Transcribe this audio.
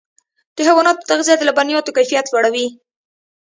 د حیواناتو تغذیه د لبنیاتو کیفیت لوړوي.